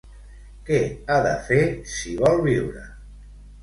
Què ha de fer si vol viure?